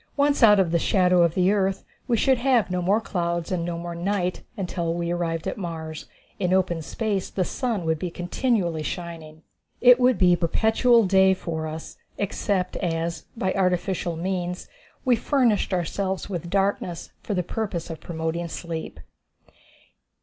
Once out of the shadow of the earth we should have no more clouds and no more night until we arrived at Mars. In open space the sun would be continually shining. It would be perpetual day for us, except as, by artificial means, we furnished ourselves with darkness for the purpose of promoting sleep.